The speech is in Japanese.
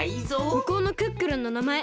むこうのクックルンのなまえ。